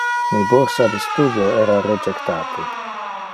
Mi bursa de studio era rejectate.